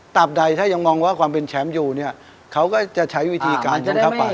บใดถ้ายังมองว่าความเป็นแชมป์อยู่เนี่ยเขาก็จะใช้วิธีการกันเข้าไป